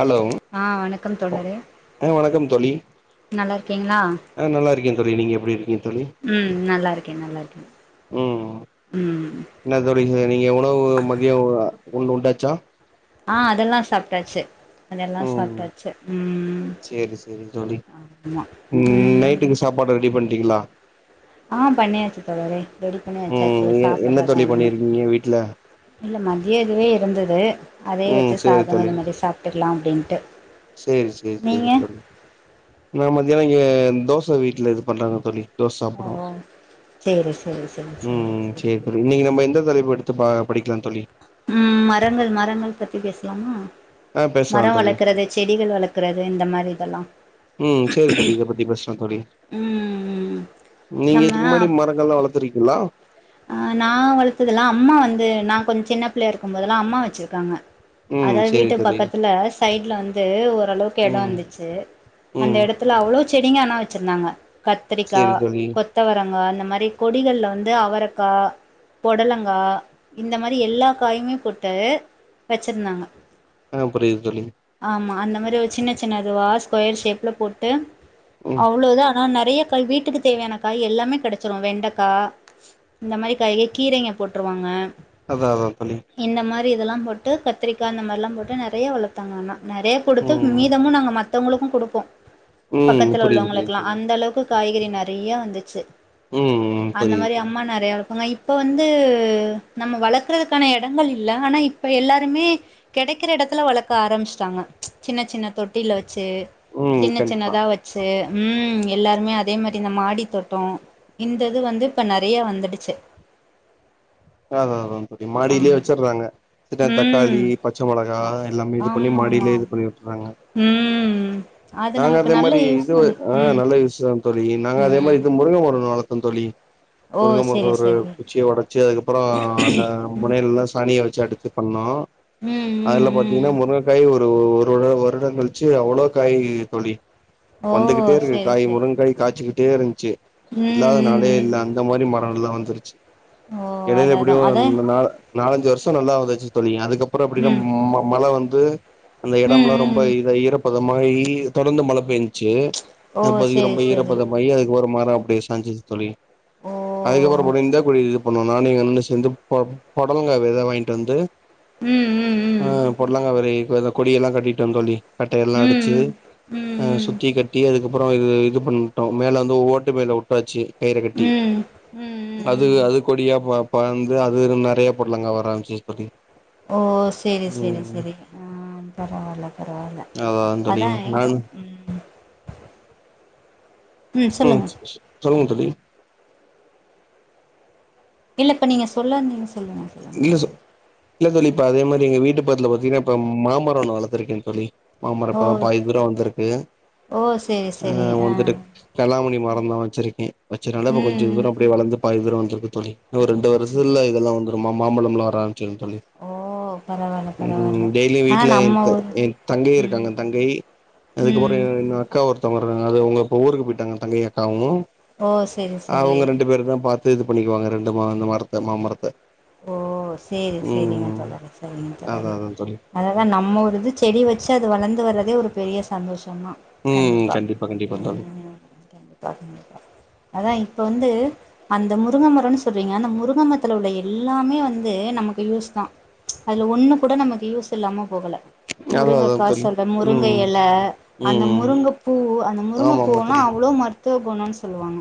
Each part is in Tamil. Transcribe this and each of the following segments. ஹலோ ஆ வணக்கம் தோழரே ஆ வணக்கம் தோழி நல்லா இருக்கீங்களா ஆ நல்லாருக்கே தோழி. நீங்க எப்டி இருக்கீங் தோழி? ம் நல்லா இருக்கே நல்லா இருக்கே ம் ம் என்ன தோழி இங்க நீங்க உணவு மதியோ ஊண் உண்டாச்சா ஆ அதெல்லா சாப்ட்டாச்சு அதெல்லா ம் சாப்ட்டாச்சு ம் சேரி சேரி தோழி ஆமா ம் நைட்டுக்கு சாப்பாடு ரெடி பண்ட்டீங்களா ஆ பண்ணியாச்சு தோழரே ரெடி பண்ணி வெச்சாச்சு ம் எ என்ன சாப்பட்றதா தோழி இனிமே பண்ணிருக்கீங்க வீட்ல இல்ல மதிய இதுவே இருந்தது அதே ம் வெச்சு சேரி சாதோ தோழி இது மாதிரி சாப்ட்டுக்கலா அப்டின்ட்டு சேரி சேரி சேரி நீங்க தோழி நா மத்யானோ ஏன் தோச வீட்ல இது பண்றாங்க தோழி தோஸ் ஓ சாப்றோ சேரி சேரி சேரி ம் சேரி ம் சேர் சேரிங்க தோழி தோழரே இன்னிக்கு நம்ம எந்த தலைப்பெடுத் து ப படிக்லா தோழி ம் மரங்கள் மரங்கள் பத்தி பேசுலாமா ஆ பேசலா மர தோழி வளக்குறது செடிகள் வளக்குறது இந்த மாரி இதெல்லா ம் சேரி தோழி இத பத்தி பேசுலா தோழி ம் ம் நீங்க நம்ம இதுக் முன்னாடி மரங்கள்லா வளத்திருக்கீளா ஆ நா வளத்தில்ல அம்மா வந்து நா கொஞ் சின்ன பிள்ளையாருக்கும் போதெல்லா அம்மா வச்சிருக்காங்க ம் அதாவக்ஷ சேரி வீட்டு தோழி பக்கத்துல சைட்ல வந்து ஓரளவுக்கு எடோ ம் இந்துச்சு அந்த ம் எடத்துல அவ்ளோ செடிங்க ஆனா சிர்ந்தாங்க கத்திரிக்கா சேரி தோழி கொத்தவரங்கா அந்த மாரி கொடிகள்ல வந்து அவரக் கா பொடலங்கா இந்த மாரி எல்லா காயுமே போட்டு வச்சிர்ந்தாங்க ஆ புரிது தோழி அந்த மாரி ஒரு சின்ன சின்ன இதுவா ஸ்கொயர் ஷேப்ல போட்டு ம் அவ்ளோ இதா ஆனா நற் றைய காய் வீட்டுக்கு தேவையான காய் எல்லாமே கெடைச்சிரு வெண்டக்கா இந்த மாரி காய்லே கீரைங்க போட்டுருவாங்க அதா அவ பணி ரி இதெல்லா போட்டு கத்திரிக்கா அந்த மாரில்லா போட்டு நறைய வளத்தாங்க ஆனா நறைய குடுத்து ம் மீதமு நாங்க மத் தவங்களுக்கு குடுப்போ ம் பக்கத்துல புரியுது புரியுது உள்ளவங்களுக்கெல்லா தோழி அந்தளவுக்கு காய்கறி நறைய வந்துச்சு ம் ம் அந்த புரியுது மாரி தோழி அம்மா நற் இருப்பாங்க இப்ப வந்து நம்ம வளக்குறதுக்கான எடங்கள் இல்ல ஆனா இப்ப எல்லாருமே கெடைக்கிற எடத்துல வளக்க ஆரம்ச்சிட்டாங்க சின்ன சின்ன தொட்டில வச் சு ம் சின்ன கண்டிப்பா சின்னதா வச்சு ம் எல்லாருமே அதே மாரி இந்த மாடி தோட்டோ இந்த இது வந்து இப்ப நறைய வந்துடு ச்சு அதா அதா தோழி மாடிலே வச்சுர்றாங்க டிதா தக்காளி ம் பச்ச மொளகா ஆ எல்லாமே இது பண்ணி ஆமா ஆமா மாடிலே இது ஆமா பண்ணி விட்டுறாங்க ம் அது நாங்க நமக்கு அதே நல்ல மாரி யூஸ் இது தானே ஆ ம் நல்ல யூஸு தா தோழி நாங்க அதே மாரி ம் இது முரு ங்கே மரோ ஒன்னு வளத்தோ தோழி ஓ முர்ங்க மரோ செரி ஒரு செரி குச்சிய ஒடச் சு அதுக்கப்ற அந்த முனையில்லா சாணிய வச்சு அடத்தி பண்ணோ ம் ம் அதுல ம் பாத்தீங்னா முருங்கக்காய் ஒரு ஒரு வருடோ கழிச்சு அவ்ளோ காய் தோழி ஓ வந்துகிட்டேருக்கு செரி காய் செரி முருங்காய் காச்சுக்கிட் டே இருந்துச்சு ம் இல்லாத ம் நாளே இல்ல ம் அந்த மாரி மரல்லா வந்துருச் ஓ எடையில அதா அதா எப்டியு அத நா நாலஞ்சு வருஷோ நல்லா வந்துச்சு தோழி அதுக்கப்றோ எப்டினாம் ம் ம மழ வந் து அந்த எடம்லா ம் ரொம்ப ம் இதாய் ஈரப்பதமாயி தொடந்து மழ பேன்ச்சு ஓ அப்போதிக்கு சேரி ரொம்ப சேரி ஈரப்பதமாயி அதுக்கு ஒரு மரோ அப்டியே சாஞ்சிச்சு தோழி ஓ அதுக்கப்புற போன இந்த குழி இது பண்ணோ நானு எங்கண்ண சேந்து ப பொடலங்கா வித வாய்ங்ட்டு வந்து ம் ம் ஆ ம் பொடலங்கா வெத ஈகுவலா கொடியெல்லா கட்டிட்டோ தோழி கட்ட எல்லா ம் அடிச்சு ம் ஆ ம் சுத்தி கட்டி அதுக்கப் றோ இது இது பண்ணிட்டோ மேல வந்து ஓட்டு மேலே உட்டாச்சு கயிற ம் கட்டி ம் ம் அது ம் அது கொடியா ப படந்து அதுலந்து நறைய பொட்லங்கா வர ஆரம்சிச்சி தோழி ஓ செரி செரி ம் செரி ஆ பரவால பரவால தோழி அதா என்க் நானு ம் ம் சொல்லுங்க தோழி இல்ல இப்ப நீங்க சொல்ல வந்திங்க சொல்லுங்க சொல்லுங்க தோழரே ப அதே மாரி எங்க வீட்டு பத்துல பாத்திங்கனா இப்ப மாமரோ ஒன்னு வளத்திருக்கே தோழி மாமரோ இப்பதா தோழரே பாதி தூரோ வந்திருக்கு ஓ ஓ செரி ஸ் ஆஹ் வந்துட்டு கலாமணி மரந் தா வச்சிருக்கே வச்சதுனால இப்ப கொஞ்ச ம் தூர அப்டியே வளர்ந்து பாதி தூரோ இருக்கு தோழி ரெண்டு வருத்துல சேரி இதெல்லா வந்துருமா மாம்பழம் எல்லா வர ஆரம்பிச்சிரு தோழி ஓ பரவால்ல உம் பரவால்ல டெய்லியு ஆனா வீட்டுல என் நம்ம ஊர் என் தங்கை ம் இருக்காங்க தங்கை அதுக்கப்புற ம் இன்னொ அக்கா ஒருத்தங்க இருக்காங்க அது இப்பவுங்க ஊருக்கு போயிட்டாங்க தங்கையு அக்காவு ஓ செரி ஆஹ் செரி அவங்க ரெண்டு பேரு தா பாத்து இது பண்ணிக்குவாங்க ரெண்டு மா அந்த மரத்த மாமரத்த ஓ செரி செரிங்க ம் தோழரே சரிங்க அதா தோழரே அதா தோழி அததா நம்ம ஒரு இது செடி வச்சு அது வளர்ந்து வர்றதே ஒரு பெரிய சந்தோஷம் சொன்னா ம் கண்டிப்பா கண்டிப்பா ம் தோழி ம் கண்டிப்பா கண்டிப்பா அதா இப்ப வந்து அந்த முருங்கமரம்ன்னு சொல்றீங்க அந்த முருங்கமரத்துல உள்ள எல்லாமே வந்து நமக்கு யூஸ் தா அதுல ஒண்ணு கூட நமக்கு யூஸ் இல்லாம போகல அதா அதா முருங்கக்கா தோழி சொல்ற முருங்க ம் இலை அந்த ம் முருங்கப்பூ அந்த ஆமா ஆமா முருங்கப்பூவுல்லா தோழி அவ்ளோ மருத் தூகணும்ன்னு சொல்லுவாங்க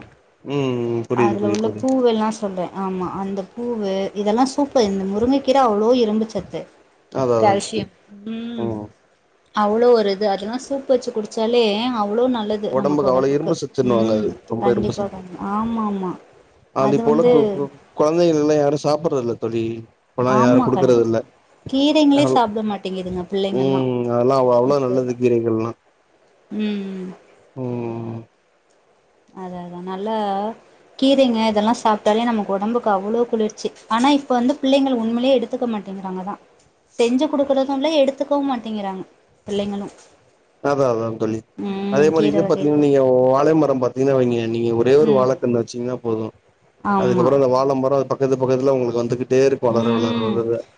ம் புரியுது அதுல புரியுது உள்ள தோழி பூவெல்லா சொல்றே ஆமா அந்த பூவு இதெல்லா சூப்பர் இந்த முருங்கக்கீர அவ்ளோ இரும்புச்சத்து அதா அதா தோழி கால்சியம் உம் ம் அவ்ளோ வொரு இது அதெல்லா சூப்பு வெச்சு குடிச்சாலே அவ் அவ்ளோ நல்லது நமக்கு ஒடம்புக்கு அவ்ளோ உடம்புக்கு இரும்பு சத்துன்னுவாங்க ம் அது ரொம்ப இரும்பு கண்டிப்பா சத்து பண்ணு ஆமாம்மா அது இப்போல வந்து கொ கொ கொழந்தைகள் எல்லா யாரு சாப்புட்றது இல்ல தோழி இப்பல்லா யாரு ஆமா கண் குடுக்கறது இல்ல கீரைங்களே சாப்பிட மாட்டேங்குதுங்க பிள்ளைங்கல்லா ம் அதெல்லா அவ் அவ்ளோ இப்ப நல்லது எல்லா கீரைகள்லா ம் ம் ம் அதத நல்ல கீரைங்க இதெல்லா சாப்ட்டாலே நமக்கு உடம்புக்கு அவ்ளோ குளிர்ச்சி ஆனா இப்ப வந்து பிள்ளைங்கள் உண்மளே எடுத்துக்க மாட் டேங்குறாங்க தா செஞ்சு குடுக்கறதும் இல்ல எடுத்துக்கவும் மாட்டேங்கிறாங்க பிள்ளைங்களு அதா அதா தோழி அதே ம் மாரி கீர இது பாத்தீங்க வகைகள் நீங்க வாழை மரம் பாத்தீங்கன்னா வெய்ங்க நீங்க ஒரே ஒரு ம் வாழைக்கன்னு வச்சீங்கன்னா போதும் ஆமா அதுக்கப்புறம் அந்த வாழமரம் பக்கத்து பக்கத்துல உங்களுக்கு வந்துகிட் உம்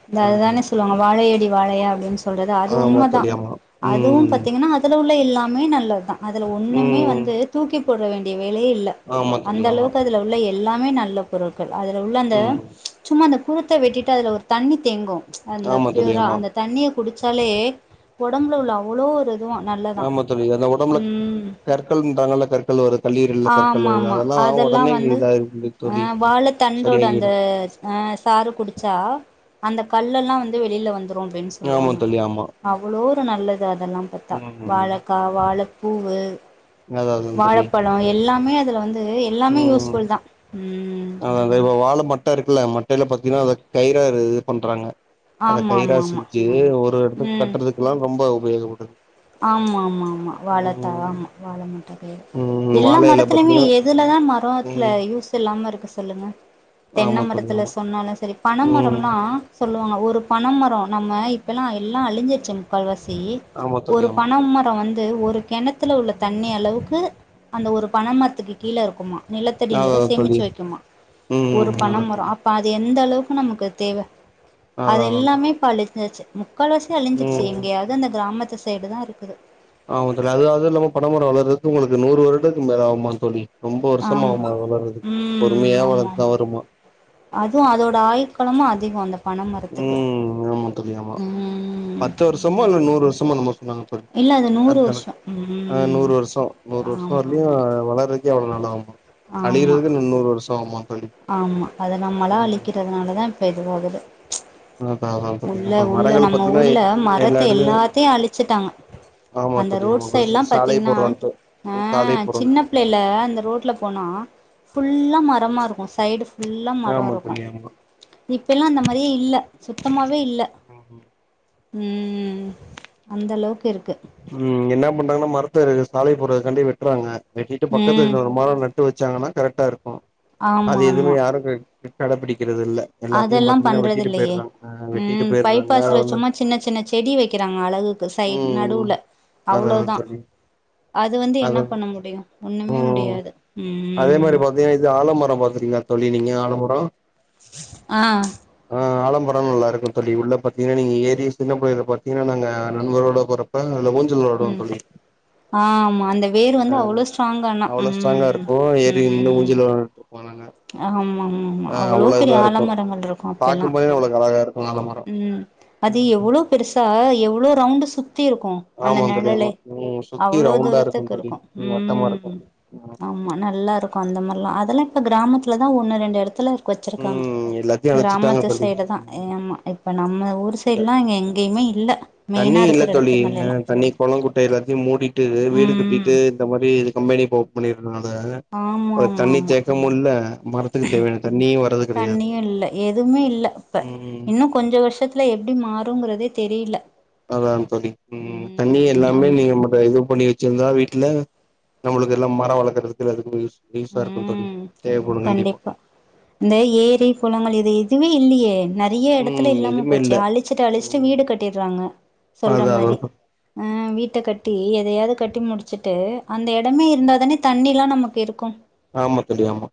இந்த அததானே சொல்லுவாங்க வாழையடி வாழையா அப்டின்னு சொல்றது அது ஆமா உண்மதா தோழி ஆமா அதுவும் ம் பாத்தீங்கன்னா அதுல உள்ள எல்லாமே நல்லத் தா அதுல ஒண்ணுமே ம் வந்து தூக்கி போட வேண்டிய வேலயே இல்ல ஆமா தோழி அந்த ஆமா அளவுக்கு அதுல உள்ள எல்லாமே நல்ல பொருட்கள் அதுல உள்ள அந்த ம் சும்மா அந்த குருத்த வெட்டிட்டு அதுல ஒரு தண்ணி தேங்கும் அந்த ஆமா தோழி ப்யூரா ஆமா அந்த தண்ணிய குடிச்சாலே உடம்புல உள்ள அவ்ளோ ஒரு இதுவா நல்லதா ஆமா தோழி அந்த உடம்புல கற்கள்ன்றாங்கல்ல கற்கள் வருது கல்லீரல்ல கற்கள் வருது ஆமாம்மா அதெல்லா ஒடனே வந்து இதாயிடுது தோழி அஹ் வாழ தண்டோட அந்த சரியாகிடு அஹ் சாறு குடிச்சா அந்த கல்லெல்லா வந்து வெளியில வந்துரு அப்டின் ஆமா சொல்லுவாங்க தோழி ஆமா அவ்ளோ ஒரு நல்லது அதெல்லாம் பாத்தா ம் வாழக்கா வாழ பூவூ அதா அதா தோழி ப்பழோ எல்லாமே அதுல வந்து எல்லாமே யூஸ்புல் தா ம் அததா இப்ப வாழ மட்டை இருக்குல்ல மட்டையில பாத்தீங்கனா அத கயிற இது பண்றாங்க அத கயிறா ஆமாமாமா செஞ்சு ஒரு இடத்துக்கு கட்டுறதுக்குல்லா ரொம்ப உபயோகப்படுது ஆம்மா ஆம்மா ஆமா வாழ தார் ம் ஆமா வாழ மாட்ட ம் எல்லா வாழ இல மரத்துலயுமே பாத்தீங்கன்னா எதுலதா மரோத்துல ம் யூஸ் இல்லாம இருக்கு சொல்லுங்க தென்ன ஆமா தோழி மரத்துல ஆமா சொன்னாலும் சரி ம் பனமரம்லா சொல்லுவாங்க ஒரு பணமரோ நம்ம இப்பல்லா எல்லா அழிஞ்சிச்சி முக்கால்வாசி ஆமா தோழி ஒரு ஆமா பனமரோம் வந்து அது ஒரு கிணத்து உள்ள தண்ணி அளவுக்கு அந்த ஒரு பனைமரத்துக்கு கீழ இருக்குமா நிலத்தடி அதா நீர அதா சேமிச்சி தோழி வைக்குமா ஒரு ம் அதா பனமரோ தோழி அப்ப அது எந்தளவுக்கு நமக்கு தேவை அதா அது அதா எல்லாமே அழிஞ்சாச்சு முக்கால்வாசி அழிஞ்சிருச்சு ம் எங்கேயாவது அந்த கிராமத்து சைடு தா இருக்குது ஆமா தோழி அது அதுவும் இல்லாம பனமரம் வளர்றதுக்கு உங்களுக்கு நூறு வருடத்துக்கு மேல ஆவுமா தோழி ரொம்ப வருஷம் ஆம் ஆவுமா அது வளர்றதுக்கு ம் பொறுமையா ஆமா வளந்துதா ஆமா வருமா அதுவு அதோட ஆயுட்காலம் அ பன மரத்துக்கு ம் ஆமா தோழி ஆமா ம் பத்து வருஷமோ ம் இல்ல நூறு வருஷமோ என்னமோ சொன்னாங்க தோழி இல்ல அது நூறு அதான வருஷ ம் ஆ நூறு வருஷ நூறு வருஷ ஆமா வரலயு ஆமா வளர்றதுக்கே அவ்வளோ நாள் ஆகு ஆமா அழியறதுக்கு இன்ன நூறு வருஷ ஆகுமாம் ஆமா அத நம்மளா அழிக்கிறதுனாலதா இப்ப இதுவாகுது அதா அதா தோழி உள்ள இப்ப உள்ள மரங்கள் நம்ம பாத்தீங்கன்னா ஊர்ல மரத்த எல்லா எடத்துலயு எல்லாத்தையு அழிச்சுட்டாங்க ஆமா அந்த தோழி ஆமா ரோட் சைட்ல்லா சாலை பாத்தீங்கன்னா போடுறோன்ட்டு ஆ சாலை சின்ன போடுறோன்ட்டு பிள்ளைல அந்த ரோட்ல போனோ ஃபுல்லா மரமா இருக்கு சைடு ஃபுல்லா மரோ ஆமா இருக்கு தோழி ஆமா இப்பல்லா அந்த மாரியே இல்ல சுத்தமாவே இல்ல ம் அந்தளவுக்கு இருக் ம் என்னா பண்றாங்கன்னா மரத்த சாலை போடுறதுக்காண்டி வெட்டுறாங்க வெட்டிட்டு பக்கத்து ம் இன்னொரு ஒரு மரோ நட்டு வச் வச்சாங்கன்னா கரெக்டா இருக்கு அது ஆமா எதுவமே ஆமா யாரு கடபிடிக் அதெல்லா பண்றதுல்லையே ஆ வெட்டிட்டு ம் பைப்பாஸ்ல போயிடுறாங்க சும்மா சின்ன சின்ன செடி வக்கிற றாங்க அழகுக்கு சைட் நடுல ஆதாதா தோழி அது வந்து என்னா அதா பண்ண முடியு ஒண்ணுமே ம் முடியாது ம் ஆலமரோ பாத்துறீங்களா தோழி நீங்க ஆலமரோ ஆ ஆலமரோ நல்லாருக்கு தோழி உள்ள பாத்தீங்கன்னா நீங்க ஏரிய சின்ன பிள்ளைல பாத்தீங்கன்னா நாங்க நண்பர்களோட போறப் அதுல ஊஞ்சல் விளாடுவோ ம் தோழி ஆமா அந்த வேர் அ வந்து அவ்ளோ ஸ்ட்ராங் ஆனா அவ்ளோ ஸ்ட்ராங்கா ம் இருக்கு ஏறி இன்னு ம் ஊஞ்சல போனாங்க ஆமா ஆமா ஆமா அவ்ளோ பெரிய ஆலமரங்கள் இருக்கு அப்பல்லா பாக்கும் போதே அவ்ளோக்கு அழகா இருக்கும் ஆலமரம் ம் அது ம் எவ்ளோ பெருசா எவ்வளோ ரவுண்ட்டு சுத் த்தி இருக்கு அந்த ஆமா தோழி நிழலே ஆமா ம் சுத்தி அவ்ளோ ரவுண்டா இருக்கும் தூரத்துக்கு தோழி இருக்கு வட்டமா இருக்கும் ம் ஆ ஆமா நல்லா இருக்கு அந்த மாரிலா அதெல்லா இப்ப கிராமத்துலதா ஒண்ணு ரெண்டு எடத்துல வச்சிருக்காங்க ம் எல்லாத்தையும் அழிச்சுட்டாங்க கிராமத்து தோழி சைடு தா ஏமா இப்ப நம்ம ஊர் சைடுல்லா இங்க எங்கேயுமே இல்ல தண்ணி மெயினா இல்ல இருக்கிற தோழி எடத்துங்கள் எல்லா தண்ணி கொளம் குட்ட எல்லாத்தையு மூடிட்டு வீடு ம் கட்டிட்டு இந்த மாரி இதுக்கம் வெளிய போ முடியறது நாள ஆமா ஒரு ஆமா தண்ணி ஆமா தேக்கமு இல்ல மரத்துக்கு தேவையான தண்ணியு வரதுக் தண்ணியு இல்ல எதுமே இல்ல இப்ப ம் இன்னு கொஞ்ச வருஷத்துல எப்டி மாறு தூங்கறதே தெரில அதா தோழி தண்ணி ம் தண்ணி எல்லாமே நீங்க இது பண்ணி ருந்தா வீட்ல நம்மளுக்கு எல்லா மரோ வளர்க்குறதுக்கு அதுக்கு யூஸா இருக்கு தோழி ம் தேவப்படு கண்டிப்பா இந்த ஏரி குளங்கள் இது எதுமே இல்லயே நரியா எடத்துல ம் இல்லாம எதுமே போச்சு இல்ல அழிச்சுட்டு அழிச்சுட்டு ம் வீடு கட்டியறாங்க சொல்ற அதா மாரி அதா அ வீட்ட கட்டி எதயாது கட்டி முடிச்சுட்டு அந்த எடமே இருந்த தானே தண்ணில்லா நமக்கு இருக்கு ம் ஆமா தோழி ஆமா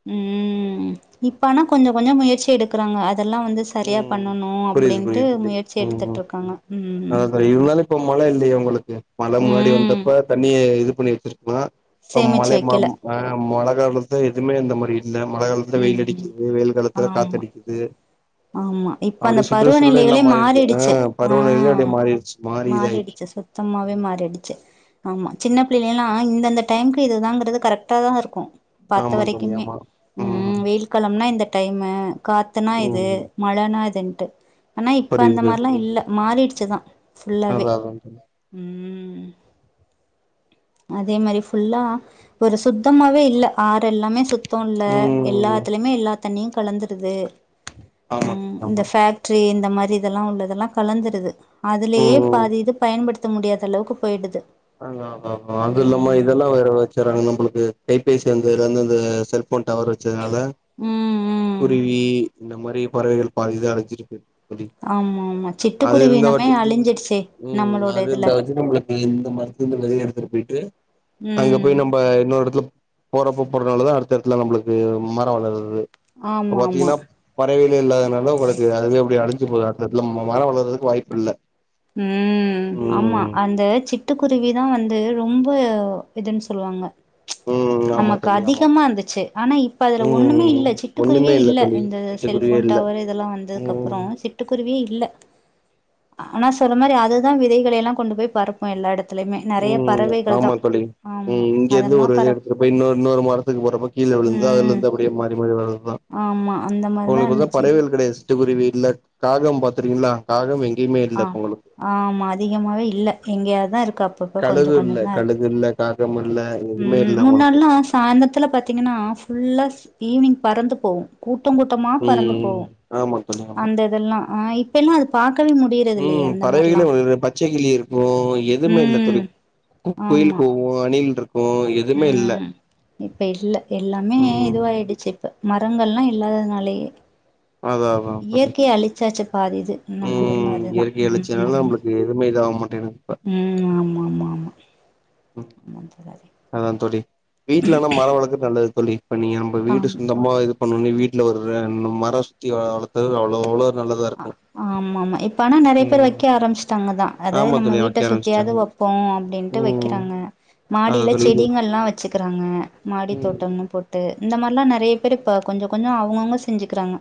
ம் இப்பானா கொஞ்சோ கொஞ்சோ முயற்சி எடுக்கறாங்க அ அதெல்லா வந்து சரியா ம் பண்ணணு புரியுது அப்டின்ட்டு புரியுது தோழி முயற்சி ம் எடுத்துட்டு இருக்காங்க ம் ம் அப்பா இல்லையா உங்களுக்கு மழ முன்னாடி வந்தப்ப தண்ணி இது பண்ணி வச்சிருக்கோ இப்ப சேமிச்சு மழை மா வைக்கல ம் ஆ மழ மழகாலத்துல எதுமே இந்த மாரி இல்ல மழ காலத்துல வெயில் ம் அடிக்குது வெயில் காலத்துல ஆமா காத்தடிக்குது ஆமா இப்ப அந்த அப்டியே சுற்ற சூழலே எல்லா பருவநிலைகளே மாறி இருக்கு மாறிடுச்சு ஆ பருவநிலையே அப்டியே மாறிடுச்சு மாறி இதாயிட்டு மாறிடுச்சு சுத்தமாவே ம் மாறிடிச்சு ஆமா சின்ன பிள்ளைலல்லா இந்தந்த டைமுக்கு இதுதாங்கறது கரெக்ட்டா தா இருக்கு பாத்த ஆமா தோழி வரைக்குமே ஆமா ம் வெயில்காலம்னா இந்த டைமு காத்துனா இது ம் மழனா இதுன்ட்டு ஆனா இப்ப புரியுது அந்த மாரிலா புரியுது இல்ல மாறிடுச்சுதா ஃபுல்லாவே அதா அதா தோழி ம் ம் அதே மாரி ஃபுல்லா ஒரு சுத்தமாவே இல்ல ஆறெல்லாமே சுத் தோ இல்ல ம் எல்லாத்திலிமே எல்லா தண்ணியு கலந்துருது ஆமா ம் தோழி ஆமா இந்த ஃபேக்ரி இந்த மாரி இதெல்லா உள்ளதெல்லா கலந்திருது அதுலயே ம் பாதி இது பயன்படுத்த முடியாதளவுக்கு போயிடுது ஆ ஆமா ஆமா அது இல்லாம ம் இதெல்லா வேற வச்சறாங்க நம்புளுக்கு கைபேசி வந்ததுலந்து அந்த செல்போன் டவர் வச்சதுனா ல ம் ம் குருவி இந்த மாரி பறவைகள் பாதிதா அழிஞ்சிருக்கு ஆமா ஆமா அது சிட்டுக்குருவி இருந்த இனமே வாட்டி அழிஞ்சிடுச்சே ம் நம்மளோட அது இதுல இருந்தாவாச்சி நம்முளுக்கு இந்த மார் வெளிய எடுத்துட்டு போயிட்டு அங்க ம் போய் நம்ப இன்னொரு எடத்துல போறப் குப்ப போறதுனால தா அடுத்தடுத்துல நம்முளுக்கு மரோ வளருது அப்ப ஆமா ஆமா பாத்தீங்னா பறவைகளே இல்லாததுனால தா உங்களுக்கு அதுவே அப்டி அடஞ் சி போது அடுத்த எடத்ல மரோ வளறதுக்கு வாய்ப்பில்ல ம் ஆமா அந்த சிட் டுக்குருவி தா வந்து ரொம்ப இதுன் சொல்வாங்க ம் ஆமா நமக்கு தோழி ஆமா அதிகமா இருந்துச்சி ஆனா இப்ப அதுல ஒண்ணுமே ம் இல்ல ஒண்ணுமே சிட்டுக்குருவியே இல்ல தோழி இந்த செல் சிட்டுக்குருவியே ஃபோன் ட இல்ல டவர் இதெல்லா வந்ததுக்கு அப்றோ ம் சிட்டுக் குருவியே இல்ல அ ஆனா சொல்ல மாரி அதுதா விதைகள யெல்லா கொண்டு போய் பரப்பு எல்லா எடத் ம் ஆமா தோழி ஆமா ம் இங்க இருந்து அதெல்லா ஒரு வித பரப் எடுத்துட்டுப் போய் இன்னொரு இன்னொரு மரத்துக்குப் போறப்ப கீழ் விழுந்தா ம் அதுலருந்து அப்டியே மாறி மாறி வர்றதா ஆமா அந்த மாரிதா ஒங்களுக்கு வந்தா இருந்துச்சு பறவைகள் கிடையாது சிட்டுக்குருவி இல்ல காகம் பாத்திருக்கீங்ளா காகம் எங் ஆ ஆமா அதிகமாவே இல்ல எங்க்யேதா இருக்கு அப் அப்பப்ப கொஞ்ச கழுகு கொஞ்ச இல்ல தா இருக்கு கழுகு இல்ல காகம் இல்ல எதுவுமே ம் இல்ல உங்களுக்கு முன்னாடில்லா சாய்ந்தர்த்துல பாத்தீங்கனா ஃபுல் தஸ் ஈவ்னிங் பறந்து போவு கூட்ட கூட்டமா பறந்து ம் போவு ஆமா தோழி ஆமா அந்த இதெல்லா ஆ இப்பெல்லா அது பாக்கவே மு ம் பறவைகளே வந்து இந்த பச்சை கிளி இருக் கு எதுமே இல்ல ம் தோழி கூ குயிலு ஆமா கூவு அணில்ருக் ம் னே இப்ப இல்ல எல்லாமே ம் இதுவாயிடுச்சி இப்ப மரங்கள்லா இல்லாததுனாலயே அதா அதா தோழி இயற்கைய அழிச்சாச்சு பாதி இது நம்ம ம் ஊர்ல அதுதா இயற்கை ம் அழிச்சனால நம்மளுக்கு எதுவுமே இதாக மாட்டேங்குது ம் ம் ம் ஆமா ஆமா ஆமா அதா தோழி வீட்லனா மரோ வளக்கறது நல்லது தோழி இப்ப நீங்க நம்ம வீடு ஆமா சொந்தமா இது பண்ணோனே வீட்ல ஒரு ரெண்டு மரோ சுத்தி வளத்த அவ்ளோ அவ்ளோ நல்லதா அ இருக்கு ஆமாமா இப்ப ஆனா நெறைய பேர் ம் வெக்க ஆரம்பிச்ட்டாங்க தா அதாவது ஆமா நம்ம தோழி வீட்ட வைக்க சுத்தியாவது ஆரம்பிச்சுட்டாங்க வப்போ அப்டின்ட்டு ம் வெக்கிறாங்க அதா மாடியில தோழி இது செடிங்கள்லா வச்சுக்க ராங்க மாடி ம் தோட்டம்னு போட்டு இந்த மார்லா நெறைய பேரு இப்ப கொஞ்ச கொஞ்ச அவுங்கவுங்க செஞ்சிக்கிறாங்க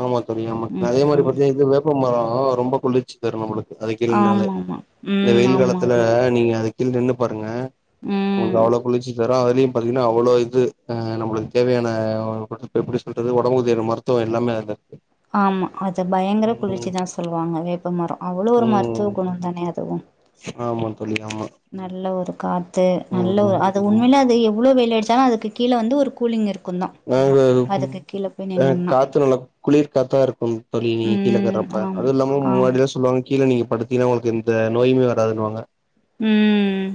ஆமா தோழி ஆமா அதே மாரி பாத்தீயா இது வேப்ப மரோ ரொம்ப குளிர்ச்சி தரு நம்முளுக் அதுக்கினுனால ஆமா ஆமா இந்த ம் வெயில் ஆமா காலத்துல ஆமா நீங்க அதுக் கீழ் நின்னுப் பாருங்க ம் உங்களுக்கு அவ்ளோ குளிர்ச்சி தரு அதுலயு பாத்தீங்னா அவ்ளோ இது அ நம்முளுக்கு தேவையான எப்டி சொல்றது ஒடம்புக்கு தேவ மருத்துவ எல்லாமே அது ஆமா அத பயங்கர குளிர்ச்சி தா சொல்வாங்க வேப்பமரோ அவ்ளோ ஒரு ம் மருத்துவ குணம் தான அதுவு ஆமா தோழி ஆமா நல்ல ஒரு காத்து நல்ல ம் ஒரு அது உண்மையில அது எவ் ளோ வெயிலடிச்சாலு அதுக்கு கீழ வந்து ஒரு கூலிங் இருக் நாங்கதா இருக்கு அ நின்னம்னா காத்து நல்லா குளிர் காத்தா இருக்கும் தோழி நீங்க கீழ ம் உக்காரப்ப ஆம் அதுவு இல்லாம ஆம் முன்னாடி எல்லா சொல்வாங்க கீழ நீங்க படுத்தினா உங்களுக்கு எந்த நோயுமே வராதுன்னுவாங்க ம்